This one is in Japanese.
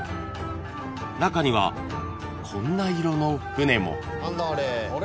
［中にはこんな色の船も］